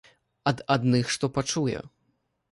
Ад адных што пачуе.